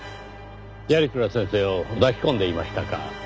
鑓鞍先生を抱き込んでいましたか。